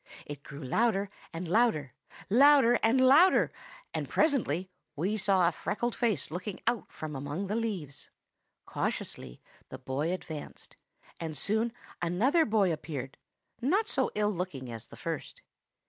It grew louder and louder, louder and louder; and presently we saw a freckled face looking out from among the leaves. "Cautiously the boy advanced, and soon another boy appeared, not so ill looking as the first.